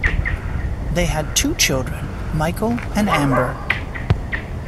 They had two children, Michael and Amber.